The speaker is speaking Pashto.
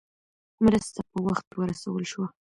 مرسته په وخت ورسول شوه.